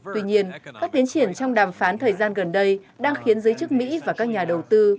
tuy nhiên các tiến triển trong đàm phán thời gian gần đây đang khiến giới chức mỹ và các nhà đầu tư